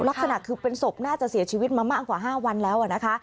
ลักษณะคือเป็นศพน่าจะเสียชีวิตมามากกว่า๕วันแล้วนะคะ